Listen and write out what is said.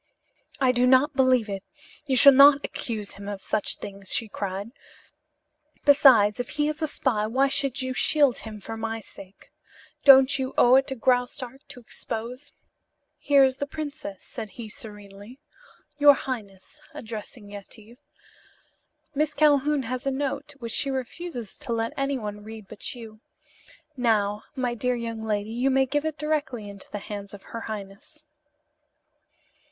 "I do not believe it. You shall not accuse him of such things," she cried. "Besides, if he is a spy why should you shield him for my sake? Don't you owe it to Graustark to expose " "Here is the princess," said he serenely. "Your highness," addressing Yetive, "Miss Calhoun has a note which she refuses to let anyone read but you. Now, my dear young lady, you may give it directly into the hands of her highness."